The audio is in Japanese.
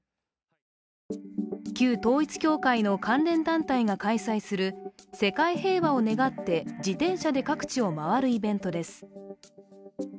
旧統一教会の関連団体が開催する世界平和を願って自転車で各地を回るイベントです。